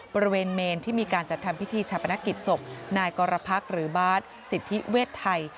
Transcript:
บริเวณเมนที่มีการจัดทำพิธีชาปนกิจศพนายกรพักษ์หรือบาทสิทธิเวชไทย